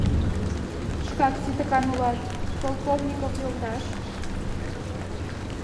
— Шкак титакан улат, Полковников йолташ!